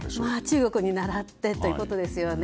中国にならってということいで